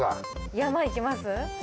山いきます？